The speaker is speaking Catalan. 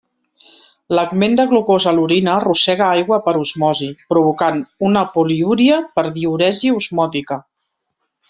L'augment de glucosa a l'orina arrossega aigua per osmosi, provocant una poliúria per diüresi osmòtica.